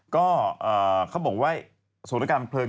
ก็เขาบอกว่าส่วนการเผลิง